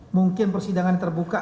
mungkin persidangan terbuka